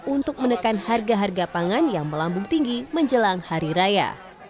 untuk menekan harga harga pangan yang melambung tinggi menjelang hari raya